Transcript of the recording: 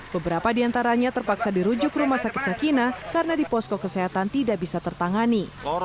beberapa di antaranya terpaksa dirujuk ke rumah sakit sakina karena di posko kesehatan tidak bisa tertangani